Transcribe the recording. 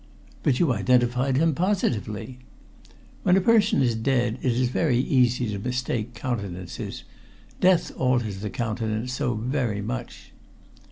"But you identified him positively?" "When a person is dead it is very easy to mistake countenances. Death alters the countenance so very much."